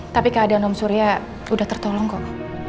tapi keadaan om surya sudah tertolong kok